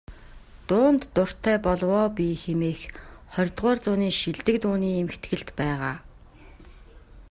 "Дуунд дуртай болов оо би" хэмээх ХХ зууны шилдэг дууны эмхэтгэлд байгаа.